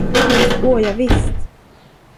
Åh, ja visst!